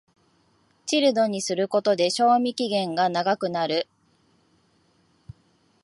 チルドにすることで賞味期限が長くなる